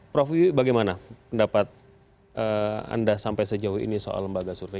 prof yu bagaimana pendapat anda sampai sejauh ini soal lembaga survei